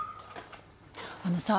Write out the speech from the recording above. あのさ